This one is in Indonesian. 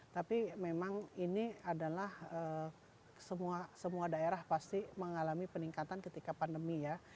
tapi memang ini adalah semua daerah pasti mengalami peningkatan ketika pandemi ya